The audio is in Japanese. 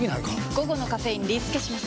午後のカフェインリスケします！